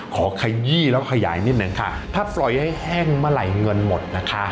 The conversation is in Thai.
ขยี้แล้วขยายนิดนึงค่ะถ้าปล่อยให้แห้งเมื่อไหร่เงินหมดนะคะ